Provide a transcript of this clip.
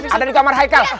ada di kamar aikam